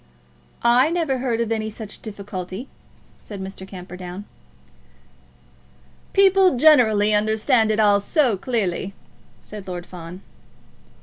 "I never heard of any such difficulty," said Mr. Camperdown. "People generally understand it all so clearly," said Lord Fawn.